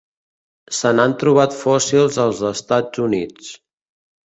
Se n'han trobat fòssils als Estats Units.